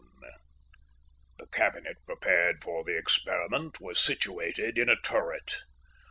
The cabinet prepared for the experiment was situated in a turret.